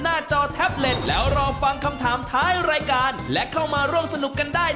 มิตรชาติมิตรชาติ